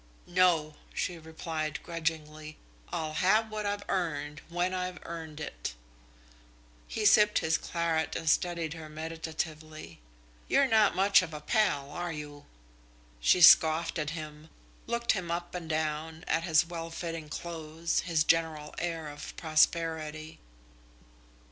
"No!" she replied grudgingly. "I'll have what I've earned, when I've earned it." He sipped his claret and studied her meditatively. "You're not much of a pal, are you?" She scoffed at him, looked him up and down, at his well fitting clothes, his general air of prosperity.